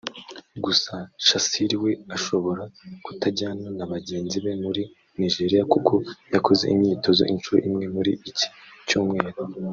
gusa Shassir we ashobora kutajyana na bagenzi be muri Nigeria kuko yakoze imyitozo inshuro imwe muri iki cyumweru